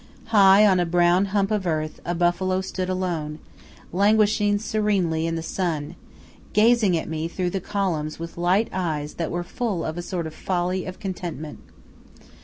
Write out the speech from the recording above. High on a brown hump of earth a buffalo stood alone, languishing serenely in the sun, gazing at me through the columns with light eyes that were full of a sort of folly of contentment.